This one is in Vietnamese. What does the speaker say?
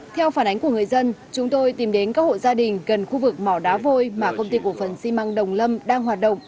theo phản ánh của người dân chúng tôi tìm đến các hộ gia đình gần khu vực mỏ đá vôi mà công ty cổ phần xi măng đồng lâm đang hoạt động